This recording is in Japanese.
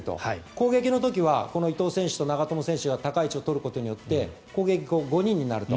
攻撃の時は伊東選手と長友選手が高い位置を取ることによって攻撃、５人になると。